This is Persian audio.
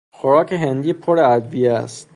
خوراک هندی پر ادویه است.